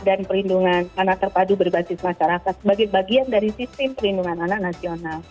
perlindungan anak terpadu berbasis masyarakat sebagai bagian dari sistem perlindungan anak nasional